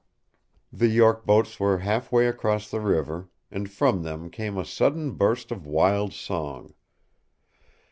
The York boats were half way across the river, and from them came a sudden burst of wild song.